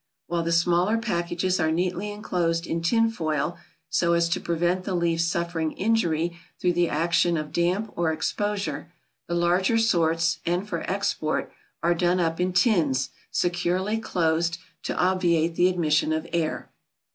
While the smaller packages are neatly enclosed in tinfoil, so as to prevent the leaf suffering injury through the action of damp or exposure, the larger sorts and for export are done up in tins, securely closed, to obviate the admission of air.